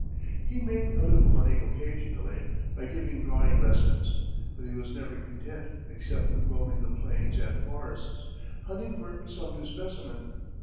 He made a little money occasionally by giving drawing lessons; but he was never content except when roaming the plains and forests, hunting for some new specimen.